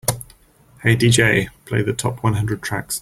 "Hey DJ, play the top one hundred tracks"